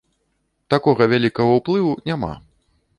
Такога вялікага ўплыву няма.